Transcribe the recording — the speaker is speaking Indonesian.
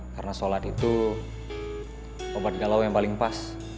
karena sholat itu obat galau yang paling pas